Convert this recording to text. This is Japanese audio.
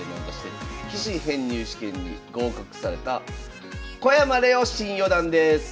棋士編入試験に合格された小山怜央新四段です。